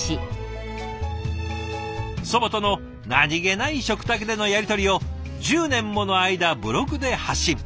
祖母との何気ない食卓でのやり取りを１０年もの間ブログで発信。